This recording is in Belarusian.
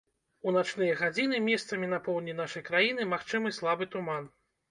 У начныя гадзіны месцамі на поўдні нашай краіны магчымы слабы туман.